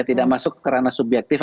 tidak masuk karena subjektif